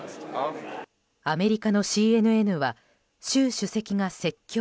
アメリカのＣＮＮは習主席が説教